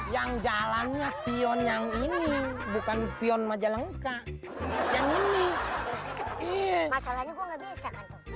yang jalannya pion yang ini bukan pion majalengka yang ini masalahnya gue gak bisa